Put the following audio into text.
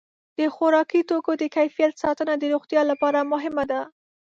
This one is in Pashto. د خوراکي توکو د کیفیت ساتنه د روغتیا لپاره مهمه ده.